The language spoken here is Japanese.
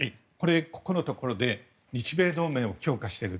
ここのところで日米同盟を強化してる。